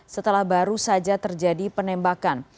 setelah baru saja terjadi penembakan